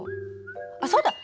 あっそうだ。